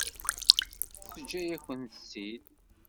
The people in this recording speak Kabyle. Teǧǧa-yakent-tt-id?